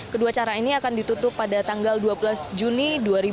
kedua cara ini akan ditutup pada tanggal dua belas juni dua ribu dua puluh